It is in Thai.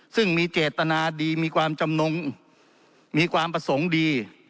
ซึ่งมีเจตนาดีมีความจำนงมีความประสงค์ดี